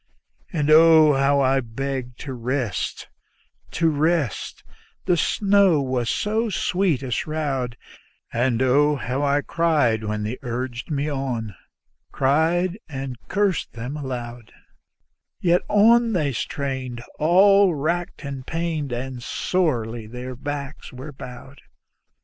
And oh, how I begged to rest, to rest the snow was so sweet a shroud; And oh, how I cried when they urged me on, cried and cursed them aloud; Yet on they strained, all racked and pained, and sorely their backs were bowed.